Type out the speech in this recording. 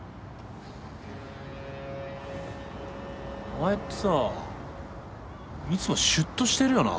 お前ってさいつもシュッとしてるよな。